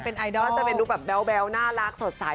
เป็นไอดอลก็จะเป็นรูปแบบแบ๊วน่ารักสดใส